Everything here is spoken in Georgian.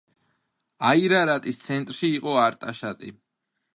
აირარატის ცენტრი იყო არტაშატი.